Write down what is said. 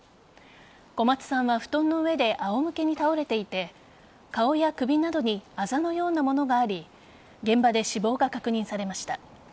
小松さんは布団の上で仰向けに倒れていて顔や首などにあざのようなものがあり現場で死亡が確認されました。